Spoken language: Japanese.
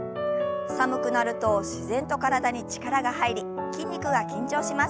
寒くなると自然と体に力が入り筋肉が緊張します。